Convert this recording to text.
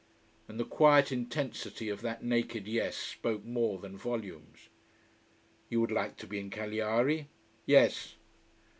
And the quiet intensity of that naked yes spoke more than volumes. "You would like to be in Cagliari?" "Yes."